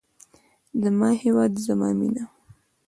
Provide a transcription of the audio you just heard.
زما هیواد زما مینه.